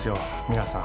皆さん。